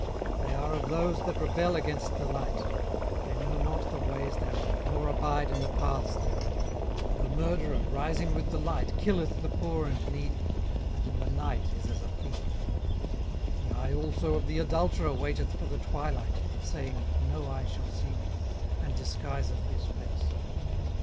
18:024:013 They are of those that rebel against the light; they know not the ways thereof, nor abide in the paths thereof. 18:024:014 The murderer rising with the light killeth the poor and needy, and in the night is as a thief. 18:024:015 The eye also of the adulterer waiteth for the twilight, saying, No eye shall see me: and disguiseth his face.